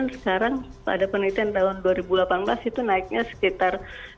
sekarang pada penelitian tahun dua ribu delapan belas itu naiknya sekitar